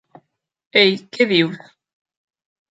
Ei, què dius?